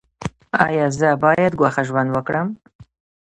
ایا زه باید ګوښه ژوند وکړم؟